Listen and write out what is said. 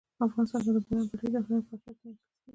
افغانستان کې د بولان پټي د هنر په اثار کې منعکس کېږي.